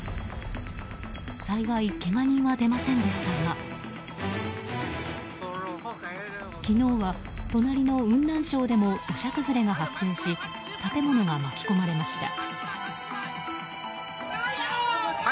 幸い、けが人は出ませんでしたが昨日は隣の雲南省でも土砂崩れが発生し建物が巻き込まれました。